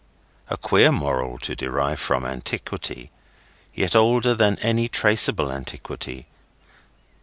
A queer moral to derive from antiquity, yet older than any traceable antiquity.